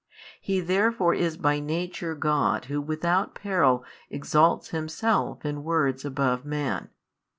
He therefore is by Nature God Who without peril exalts Himself in words above man.